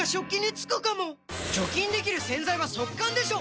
除菌できる洗剤は速乾でしょ！